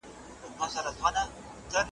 د څپو غېږته قسمت وو غورځولی .